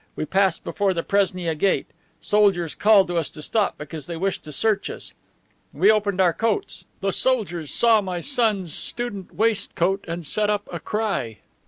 We passed before the Presnia gate. Soldiers called to us to stop because they wished to search us. We opened our coats. The soldiers saw my son's student waistcoat and set up a cry.